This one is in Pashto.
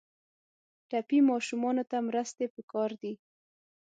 ټپي ماشومانو ته مرستې پکار دي.